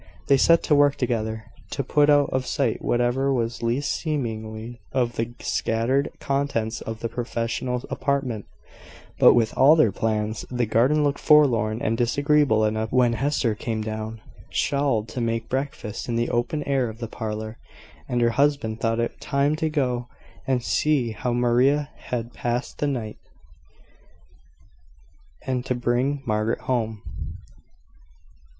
They set to work together, to put out of sight whatever was least seemly of the scattered contents of the professional apartment; but, with all their pains, the garden looked forlorn and disagreeable enough when Hester came down, shawled, to make breakfast in the open air of the parlour, and her husband thought it time to go and see how Maria had passed the night, and to bring Margaret home.